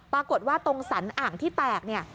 ปรากฏว่าตรงสรรอ่างที่แตกเนี่ย